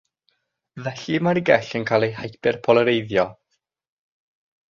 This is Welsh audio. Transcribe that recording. Felly mae'r gell yn cael ei hyperpolareiddio.